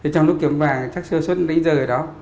trong lúc kiểm vàng chắc sơ xuất đến giờ đó